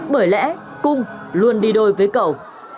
bởi lẽ cung luôn đi đôi với cầu